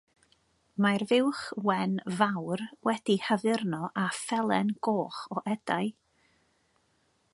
Mae'r fuwch wen fawr wedi'i haddurno â phelen goch o edau.